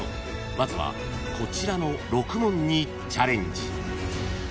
［まずはこちらの６問にチャレンジ］